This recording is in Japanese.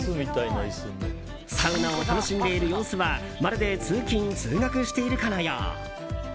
サウナを楽しんでいる様子はまるで通勤・通学しているかのよう。